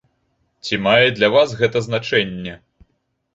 Ці мае для вас гэта значэнне?